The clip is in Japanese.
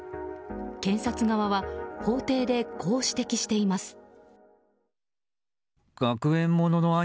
検察側は法廷でこう指摘しています。